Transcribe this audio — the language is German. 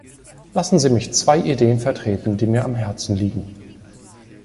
Lassen Sie mich zwei Ideen vertreten, die mir am Herzen liegen.